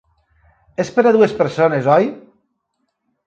És per a dues persones, oi?